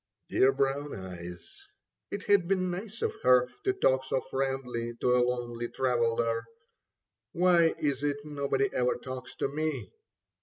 Dear Brown Eyes, it had been nice of her To talk so friendly to a lonely traveller ! Why is it nobody ever talks to me